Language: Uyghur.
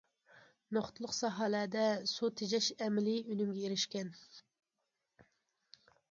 نۇقتىلىق ساھەلەردە سۇ تېجەش ئەمەلىي ئۈنۈمگە ئېرىشكەن.